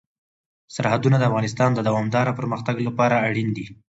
سرحدونه د افغانستان د دوامداره پرمختګ لپاره اړین دي.